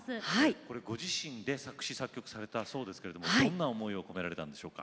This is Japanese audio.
これご自身で作詞作曲されたそうですけれどもどんな思いを込められたんでしょうか。